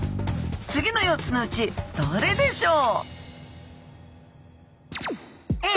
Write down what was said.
次の４つのうちどれでしょう？